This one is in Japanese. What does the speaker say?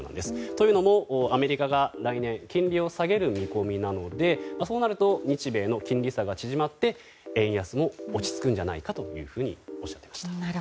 というのもアメリカが来年、金利を下げる見込みなのでそうなると日米の金利差が縮まって円安も落ち着くんじゃないかというふうにおっしゃっていました。